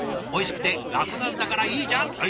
おいしくて楽なんだからいいじゃん！」。